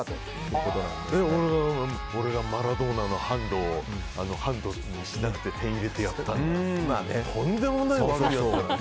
俺が、マラドーナのハンドをハンドにしなくて点を入れてやったんだってとんでもないやろうだ。